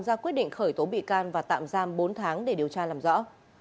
ra quyết định khởi tố bị can và tạm giam bốn tháng để điều tra làm rõ